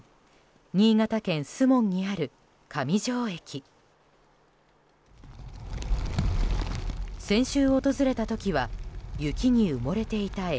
新潟県守門にある上条駅。